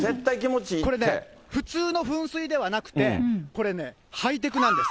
これね、普通の噴水ではなくて、これね、ハイテクなんです。